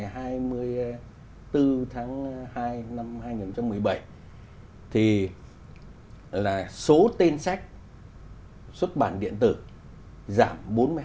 ngày hai mươi bốn tháng hai năm hai nghìn một mươi bảy thì là số tên sách xuất bản điện tử giảm bốn mươi hai